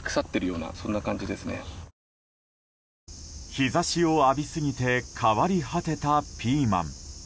日差しを浴びすぎて変わり果てたピーマン。